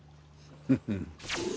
フフフフ。